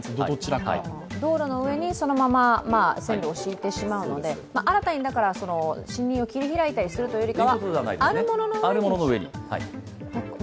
道路の上にそのまま線路を敷いてしまうので、新たに森林を切り開いたりするというよりはあるものの上にということですね。